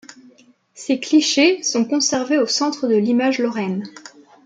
Ses Clichés sont conservés au Centre de l'Image Lorraine.